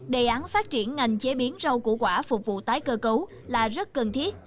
đề án phát triển ngành chế biến rau củ quả phục vụ tái cơ cấu là rất cần thiết